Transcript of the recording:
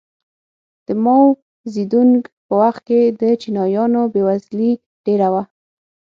د ماوو زیدونګ په وخت کې د چینایانو بېوزلي ډېره وه.